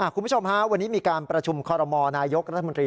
คุณผู้ชมฮะวันนี้มีการประชุมคอรมอลนายกรัฐมนตรี